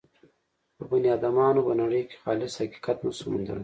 په بني ادمانو به نړۍ کې خالص حقیقت نه شو موندلای.